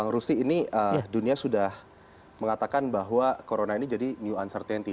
rusti ini dunia sudah mengatakan bahwa corona ini jadi new uncertainty